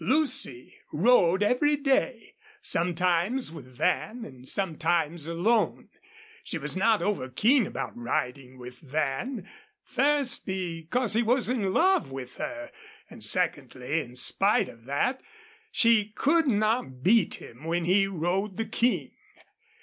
Lucy rode every day, sometimes with Van, and sometimes alone. She was not over keen about riding with Van first, because he was in love with her; and secondly, in spite of that, she could not beat him when he rode the King.